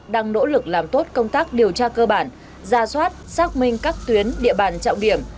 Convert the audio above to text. đang nỗ lực làm tốt công tác điều tra cơ bản ra soát xác minh các tuyến địa bàn trọng điểm